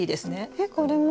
えっこれも？